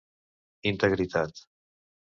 Integritat: